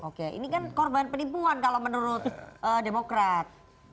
oke ini kan korban penipuan kalau menurut demokrat